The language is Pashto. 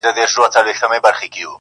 که لومړۍ ورځ يې پر غلا واى زه ترټلى!!